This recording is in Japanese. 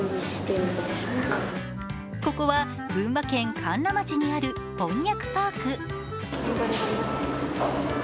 ここは群馬県甘楽町にあるこんにゃくパーク。